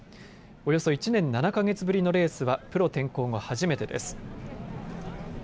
およそ１年７か月ぶりのレースはプロ転向後、初めてです。